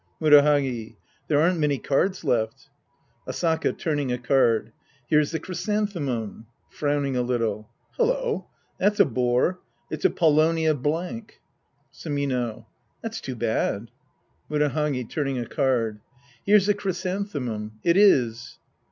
Murahagi. There aren't many cards left. Asaka (fuming a card). Here's the chrysan themum. {Frowning a little.) Hello, that's a bore. It's a paulownia blank. Sumino. That's too bad. Murahagi {turning a card). Here's the chrysan themum. It is.